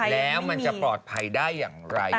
แล้วมันจะปลอดภัยได้อย่างไร